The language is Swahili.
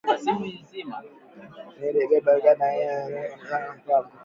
Miri beba mikanda yangu ya mpango kwa ba kubwa beko nagariya mambo ya ma mpango